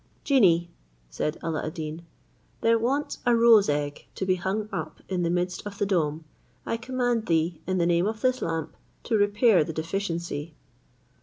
"Genie," said Alla ad Deen, "there wants a roe's egg to be hung up in the midst of the dome; I command thee, in the name of this lamp, to repair the deficiency."